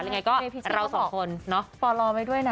พี่ที่พี่ขนต้องบอกพอรอไว้ด้วยนะ